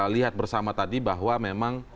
lihat bersama tadi bahwa memang